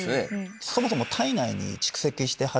そもそも。